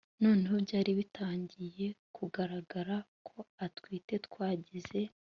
noneho byari bitangiye kugaragara ko aritwe twagize